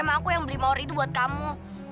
emang aku yang beli mawar itu buat kamu